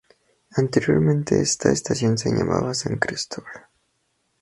Anteriormente esta estación se llamaba "San Cristóbal".